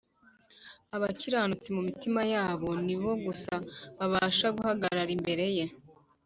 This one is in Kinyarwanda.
. Abakiranuka mu mitima yabo nibo gusa babasha guhagarara imbere Ye